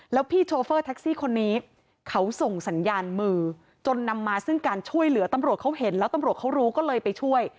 แล้วพี่โชเฟอร์แท็กซี่คนนี้เขาส่งสัญญาณมือจนนำมาซึ่งการช่วยเหลือตำรวจเขาเห็นแล้วตำรวจเขารู้ก็เลยไปช่วย